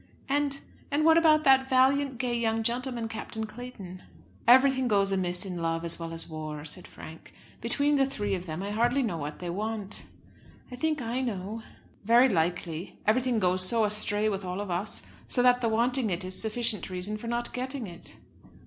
"And, and what about that valiant gay young gentleman, Captain Clayton?" "Everything goes amiss in love as well as war," said Frank. "Between the three of them, I hardly know what they want." "I think I know." "Very likely. Everything goes so astray with all of us, so that the wanting it is sufficient reason for not getting it."